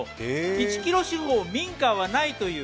１キロ四方民家はないという。